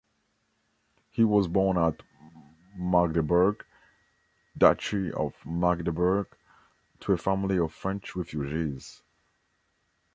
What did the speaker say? He was born at Magdeburg, Duchy of Magdeburg, to a family of French refugees.